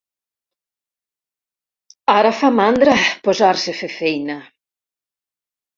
Ara fa mandra posar-se a fer feina.